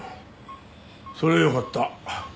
それはよかった。